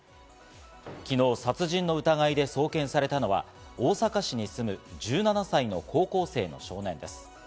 昨日、殺人の疑いで送検されたのは、大阪市に住む１７歳の高校生の少年です。